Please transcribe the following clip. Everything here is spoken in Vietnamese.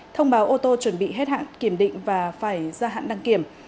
thông báo ô tô chuẩn bị hết hạn kiểm định và phải ra hạn đăng kiểm